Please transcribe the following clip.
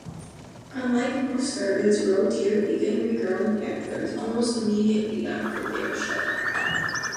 Unlike most cervids, roe deer begin regrowing antlers almost immediately after they are shed.